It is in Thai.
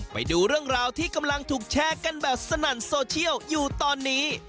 ไปดูเรื่องราวที่กำลังถูกแชร์กันแบบสนั่นโซเชียลอยู่ตอนนี้